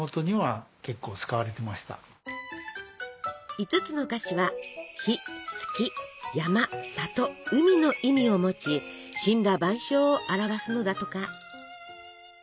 ５つの菓子はの意味を持ち森羅万象を表すのだとか。